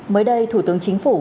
mới đây thủ tướng chính phủ